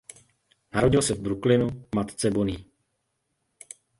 Narodil se v Brooklynu matce Bonnie.